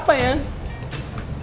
pak jaja tidak tertolong